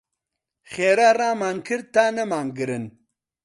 خێرا ڕامان کرد تا نەمانگرن.